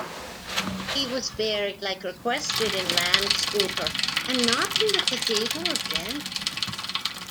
He was buried like requested in Landskouter, and not in the Cathedral of Ghent.